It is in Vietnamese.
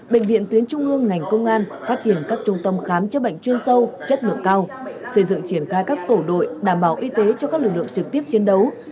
bệnh viện tuyến trung ương ngành công an phát triển các trung tâm khám chữa bệnh chuyên sâu chất lượng cao xây dựng triển khai các tổ đội đảm bảo y tế cho các lực lượng trực tiếp chiến đấu